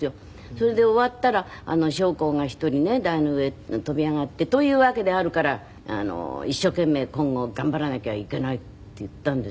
それで終わったら将校が１人ね台の上飛び上がって「というわけであるから一生懸命今後頑張らなきゃいけない」って言ったんですよ。